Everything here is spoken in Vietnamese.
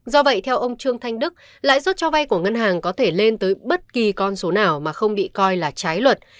do vậy theo ông trương thanh đức lãi suất cho vay của ngân hàng có thể lên tới bất kỳ con số nào mà không bị coi là trái luật